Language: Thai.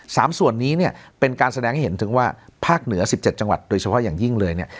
สามส่วนนี้เนี่ยเป็นการแสดงให้เห็นถึงว่าภาคเหนือสิบเจ็ดจังหวัดโดยเฉพาะอย่างยิ่งเลยเนี่ย